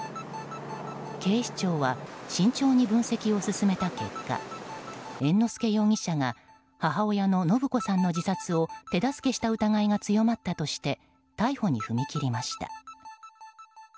警視庁は慎重に分析を進めた結果猿之助容疑者が母親の延子さんの自殺を手助けした疑いが強まったとして逮捕に踏み切りました。